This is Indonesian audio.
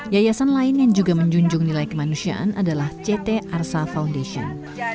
yayasan lain yang juga menjunjung nilai kemanusiaan adalah ct arsa foundation